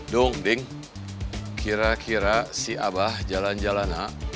dong ding kira kira si abah jalan jalan nak